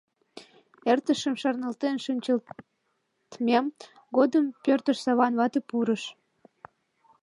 Эртышым шарналтен шинчылтмем годым пӧртыш Саван вате пурыш.